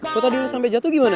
kau tadi udah sampe jatuh gimana